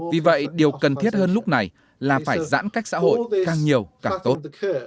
vì vậy điều cần thiết hơn lúc này là phải giãn cách xã hội càng nhiều càng tốt